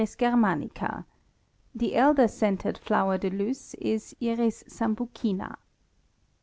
Germanica_; the elder scented flower de luce is I. sambucina.